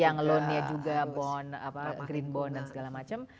yang loan nya juga green bond dan segala macam